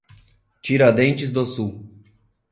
Tiradentes do Sul